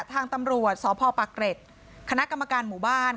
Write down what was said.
ทางตำรวจสพปะเกร็ดคณะกรรมการหมู่บ้าน